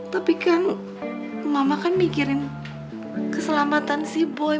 tapi kan mama kan mikirin keselamatan si boi